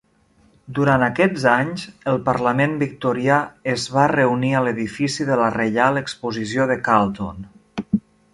Durant aquests anys, el Parlament victorià es va reunir a l'edifici de la Reial Exposició de Carlton.